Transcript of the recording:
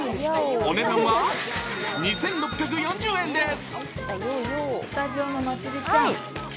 お値段は２６４０円です。